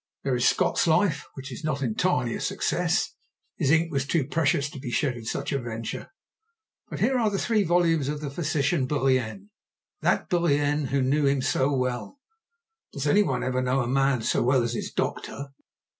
There is Scott's life, which is not entirely a success. His ink was too precious to be shed in such a venture. But here are the three volumes of the physician Bourrienne—that Bourrienne who knew him so well. Does any one ever know a man so well as his doctor?